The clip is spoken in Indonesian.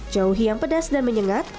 jauhi yang pedas dan menyengat